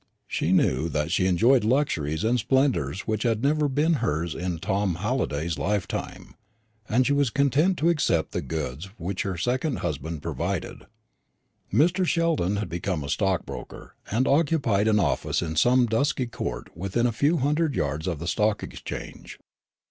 She knew that she enjoyed luxuries and splendours which had never been hers in Tom Halliday's lifetime, and she was content to accept the goods which her second husband provided. Mr. Sheldon had become a stockbroker, and occupied an office in some dusky court within a few hundred yards of the Stock Exchange.